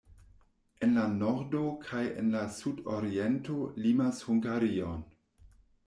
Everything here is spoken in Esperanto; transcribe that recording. En la nordo kaj en la sudoriento limas Hungarion.